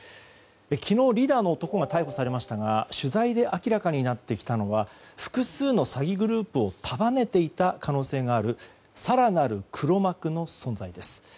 昨日、リーダーの男が逮捕されましたが取材で明らかになってきたのは複数の詐欺グループを束ねていた可能性がある更なる黒幕の存在です。